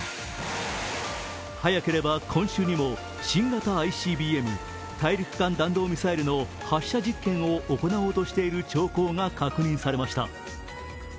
早ければ今週にも新型ＩＣＢＭ＝大陸間弾道ミサイルの発射実験を行おうとしている兆候が確認されました。